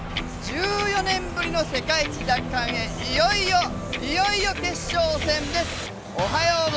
１４年ぶりの世界一奪還へいよいよ決勝戦です。